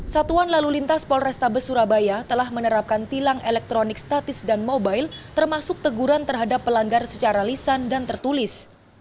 satuan lalu lintas polrestabes surabaya telah menerapkan tilang elektronik statis dan mobile termasuk teguran terhadap pelanggar secara lisan dan tertulis